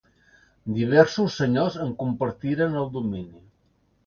Diversos senyors en compartiren el domini.